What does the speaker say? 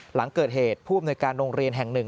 หลังเกิดเหตุผู้อำนวยการโรงเรียนแห่งหนึ่ง